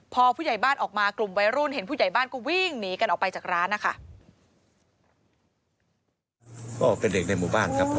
พอผู้ใหญ่บ้านออกมากลุ่มวัยรุ่นเห็นผู้ใหญ่บ้านก็วิ่งหนีกันออกไปจากร้านนะคะ